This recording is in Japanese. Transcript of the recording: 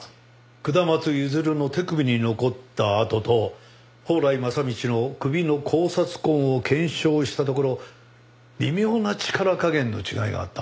下松譲の手首に残った痕と宝来正道の首の絞殺痕を検証したところ微妙な力加減の違いがあった。